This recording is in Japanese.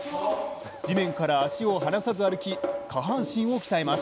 地面から足を離さず歩き、下半身を鍛えます。